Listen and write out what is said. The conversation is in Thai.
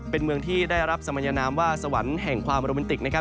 เป็นเมืองที่ได้รับสมรยานามว่าสวรรค์แห่งความโรแมนติกนะครับ